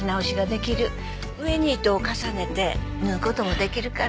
上に糸を重ねて縫う事も出来るから。